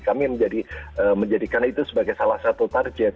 kami menjadikan itu sebagai salah satu target